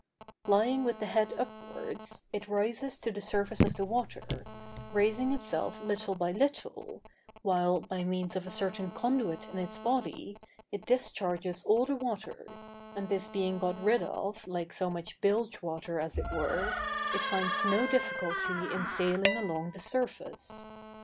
Lying with the head upwards, it rises to the surface of the water, raising itself little by little, while, by means of a certain conduit in its body, it discharges all the water, and this being got rid of like so much bilge water as it were, it finds no difficulty in sailing along the surface.